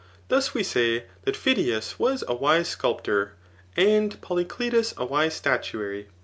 Thus we say that Phidias was a wise sculptor, and Polydetus a wise statuary.